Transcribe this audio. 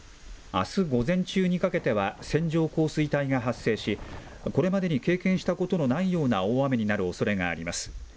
あす午前中にかけては、線状降水帯が発生し、これまでに経験したことのないような大雨になるおそれがあります。